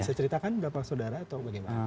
bisa ceritakan berapa saudara atau bagaimana